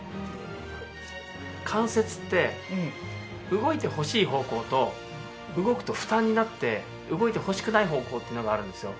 関節って動いてほしい方向と動くと負担になって動いてほしくない方向っていうのがあるんですよ。